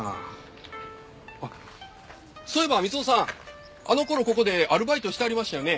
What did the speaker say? あっそういえばミツオさんあの頃ここでアルバイトしてはりましたよね？